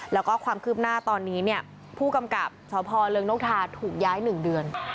แล้วก็ความคืบหน้าตอนนี้ผู้กำกับสพเริงนกทาถูกย้าย๑เดือน